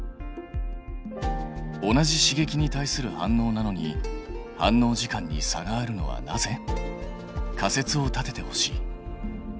同じ刺激に対する反応なのに反応時間に差があるのはなぜ？仮説を立ててほしい。